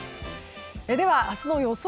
では明日の予想